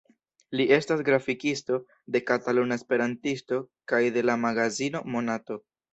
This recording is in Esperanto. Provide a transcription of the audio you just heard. Li estas grafikisto de "Kataluna Esperantisto" kaj de la magazino "Monato".